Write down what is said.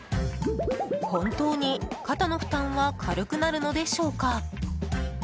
本当に肩の負担は軽くなるのでしょうか。